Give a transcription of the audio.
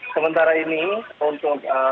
sementara ini untuk